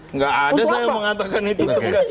enggak ada saya mengatakan itu